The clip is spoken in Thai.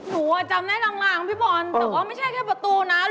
หนูอ่ะจำได้ลางพี่บอลแต่ว่าไม่ใช่แค่ประตูนะ